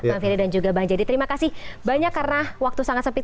bang ferry dan juga bang jadi terima kasih banyak karena waktu sangat sempit